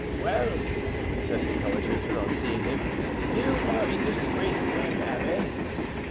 "Well," said the coadjutor, on seeing him, "you are in disgrace, then, abbé?"